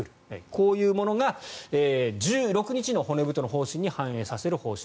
こういうものが１６日の骨太の方針に反映させる方針。